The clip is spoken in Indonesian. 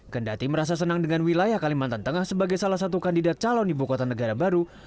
kendati merasa senang dengan wilayah kalimantan tengah sebagai salah satu kandidat calon ibu kota negara baru